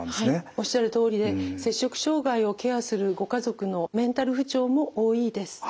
おっしゃるとおりで摂食障害をケアするご家族のメンタル不調も多いです。